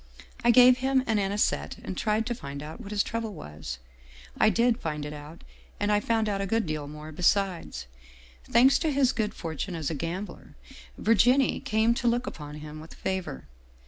I gave him an anisette and tried to find out what his trouble was. I did find it out, and I found out a good deal more besides. " Thanks to his good fortune as a gambler, Virginie came to look upon him with favor.